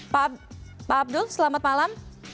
pak abdul selamat malam